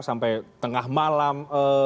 sampai tengah malam